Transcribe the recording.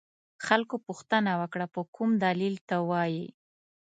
خلکو پوښتنه وکړه په کوم دلیل ته وایې.